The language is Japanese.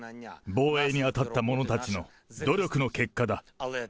防衛に当たった者たちの努力の結果だ。